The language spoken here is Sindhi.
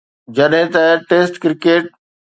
جڏهن ته ٽيسٽ ڪرڪيٽ